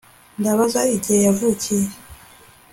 ndabaza igihe yavukiye